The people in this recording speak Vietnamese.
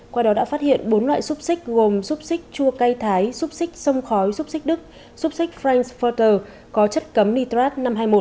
qua đó đã phát hiện bốn loại xúc xích gồm xúc xích chua cây thái xúc xích sông khói xúc xích đức xúc xích frankfurter có chất cấm nitrat năm trăm hai mươi một